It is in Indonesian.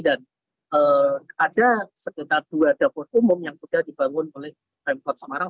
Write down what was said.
dan ada sekitar dua dapur umum yang sudah dibangun oleh pmkot semarang